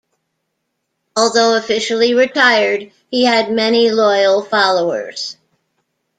Although officially retired, he had many loyal followers.